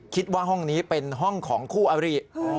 คิดว่าห้องนี้เป็นห้องของคู่อริ